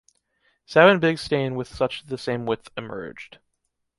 Seven big stain with such the same width emerged.